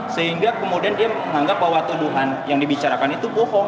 sehingga kemudian dia menganggap bahwa tuduhan yang dibicarakan itu bohong